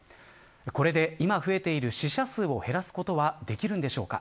これで、今増えている死者数を減らすことはできるんでしょうか。